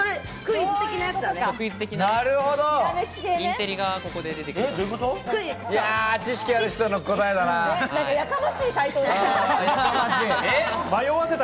インテリがここで出てきた。